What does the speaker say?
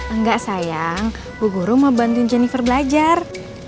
enggak sayang bu gurum mau bantuin jennifer belajar